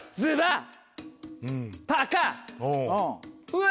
うわ！